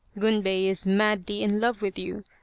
Gunbei is madly in love with you.